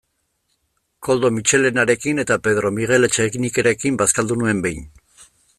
Koldo Mitxelenarekin eta Pedro Miguel Etxenikerekin bazkaldu nuen behin.